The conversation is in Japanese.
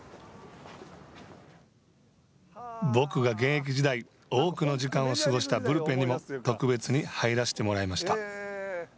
僕が現役時代、多くの時間を過ごしたブルペンにも特別に入らせてもらいました。